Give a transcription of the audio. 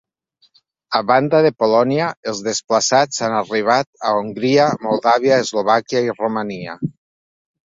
A banda de Polònia, els desplaçats han arribat a Hongria, Moldàvia, Eslovàquia i Romania.